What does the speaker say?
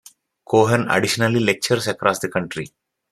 Cohen additionally lectures across the country.